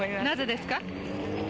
なぜですか？